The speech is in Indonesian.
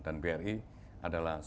dan bri adalah salah satu kondisi